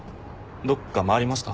どっか回りました？